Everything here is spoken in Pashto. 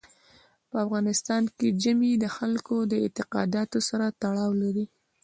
په افغانستان کې ژمی د خلکو د اعتقاداتو سره تړاو لري.